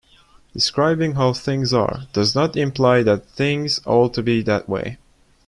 Describing how things are does not imply that things ought to be that way.